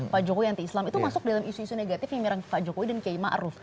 pak jokowi anti islam itu masuk dalam isu isu negatif yang dianggap pak jokowi dan pki ma'ruf